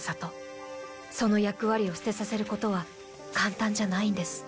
その役割を捨てさせることは簡単じゃないんです。